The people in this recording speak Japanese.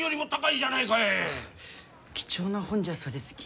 貴重な本じゃそうですき。